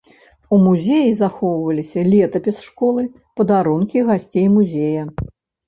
У музеі захоўваліся летапіс школы, падарункі гасцей музея.